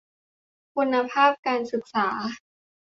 คุณภาพการศึกษา